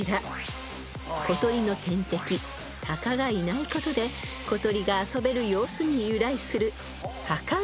［小鳥の天敵タカがいないことで小鳥が遊べる様子に由来する］